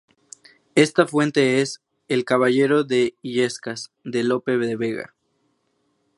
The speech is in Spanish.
Esta fuente es "El caballero de Illescas" de Lope de Vega.